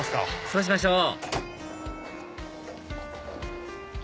そうしましょう！